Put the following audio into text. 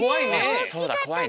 おおきかったね。